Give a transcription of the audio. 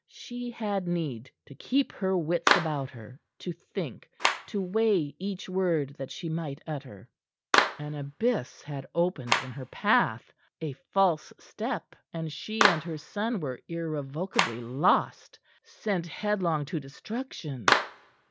She had need to keep her wits about her, to think, to weigh each word that she might utter. An abyss had opened in her path; a false step, and she and her son were irrevocably lost sent headlong to destruction.